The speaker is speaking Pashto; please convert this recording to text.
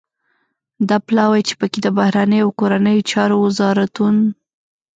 دا پلاوی چې پکې د بهرنیو او کورنیو چارو وزارتون